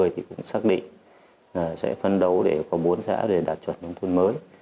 thì cũng xác định sẽ phân đấu để có bốn xã để đạt chuẩn nông thôn mới